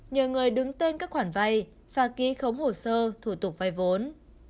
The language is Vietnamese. nhờ người đứng tên các khoản vay và ký khống hồ sơ thủ tục vay vốn